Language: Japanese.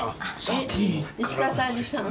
石川さゆりさん。